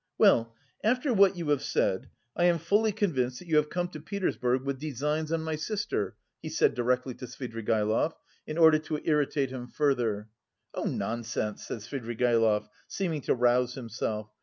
"Well, after what you have said, I am fully convinced that you have come to Petersburg with designs on my sister," he said directly to Svidrigaïlov, in order to irritate him further. "Oh, nonsense," said Svidrigaïlov, seeming to rouse himself.